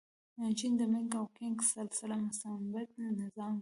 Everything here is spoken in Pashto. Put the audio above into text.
د چین د مینګ او کینګ سلسله مستبد نظام و.